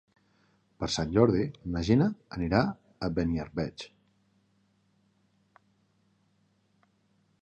Per Sant Jordi na Gina anirà a Beniarbeig.